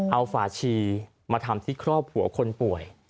เอาฝาชีมาทำที่ครอบครัวคนป่วย